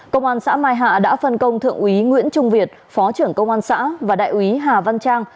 công an xã mai hạ đã phân công thượng úy nguyễn trung việt phó trưởng công an xã và đại úy hà văn trang